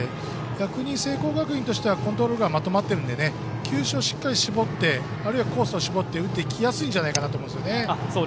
逆に聖光学院としてはコントロールがまとまっているので球種をしっかり絞ってあるいはコースを絞って打ってきやすいんじゃないかと。